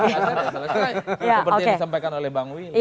kalau seperti yang disampaikan oleh bang willy